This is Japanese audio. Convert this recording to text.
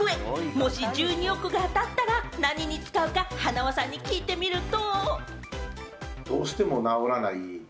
もし１２億が当たったら何に使うか、塙さんに聞いてみると。